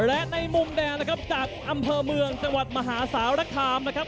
และในมุมแดงนะครับจากอำเภอเมืองจังหวัดมหาสารคามนะครับ